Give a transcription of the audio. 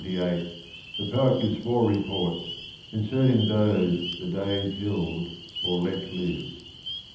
22, 1698, the poet gives four reports "concerning those the day killed or let live."